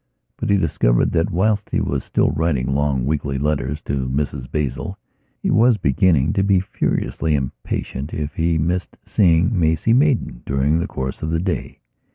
But he discovered that, whilst he was still writing long weekly letters to Mrs Basil, he was beginning to be furiously impatient if he missed seeing Maisie Maidan during the course of the day.